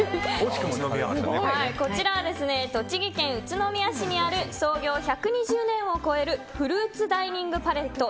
こちらは栃木県宇都宮市にある創業１２０年を超えるフルーツダイニングパレット